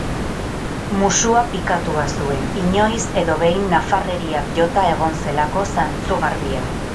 Musua pikatua zuen, inoiz edo behin nafarreriak jota egon zelako zantzu garbia.